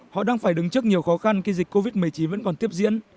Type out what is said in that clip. họ đang phải đứng trước nhiều khó khăn khi dịch covid một mươi chín vẫn còn tiếp diễn